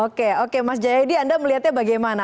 oke oke mas jayadi anda melihatnya bagaimana